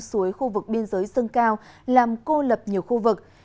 suối khu vực biên giới dâng cao làm cô lập nhiều khu vực